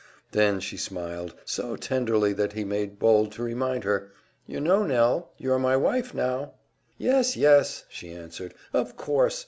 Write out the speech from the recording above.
Then she smiled, so tenderly that he made bold to remind her, "You know, Nell, you're my wife now!" "Yes, yes," she answered, "of course.